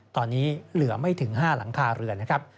ตอนนี้เหลือไม่ถึง๕หลังคาเรือนนะครับ